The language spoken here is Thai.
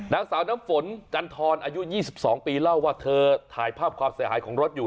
นางสาวน้ำฝนจันทรอายุ๒๒ปีเล่าว่าเธอถ่ายภาพความเสียหายของรถอยู่